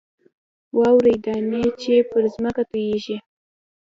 واورې دانې چې پر ځمکه تویېږي.